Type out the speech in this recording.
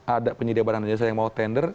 ada penyedia barang jasa yang mau tender